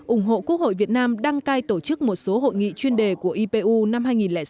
ủng hộ quốc hội việt nam đăng cai tổ chức một số hội nghị chuyên đề của ipu năm hai nghìn sáu hai nghìn chín